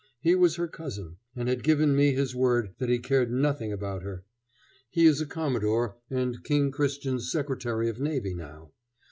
He was her cousin, and had given me his word that he cared nothing about her. He is a commodore and King Christian's Secretary of Navy now.